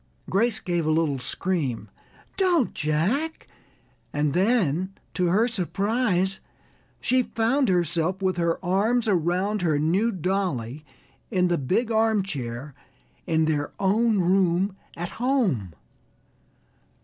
Grace gave a little scream. "Don't, Jack" and then, to her surprise, she found herself with her arms around her new dolly in the big armchair in their own room at home.